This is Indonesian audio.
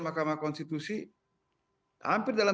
mahkamah konstitusi hampir dalam